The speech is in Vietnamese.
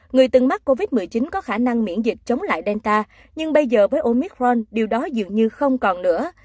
người từng mắc covid một mươi chín có khả năng miễn dịch chống lại delta nhưng bây giờ với omic ron điều đó dường như không còn nữa